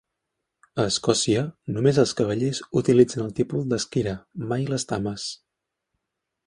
A Escòcia, només els cavallers utilitzen el títol d'Esquire, mai les dames.